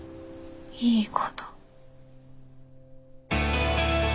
いいごと。